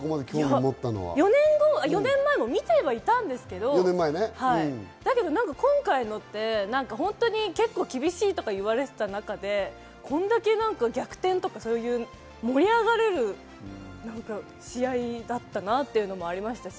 ４年前も見てはいたんですけど、だけど今回、結構厳しいとか言われていた中で、逆転とか盛り上がれる試合だったなというのもありましたし。